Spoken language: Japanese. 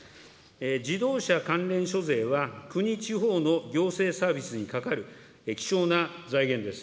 自動車関連諸税は、国、地方の行政サービスにかかる貴重な財源です。